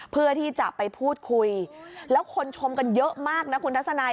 เพื่อที่จะไปพูดคุยแล้วคนชมกันเยอะมากนะคุณทัศนัย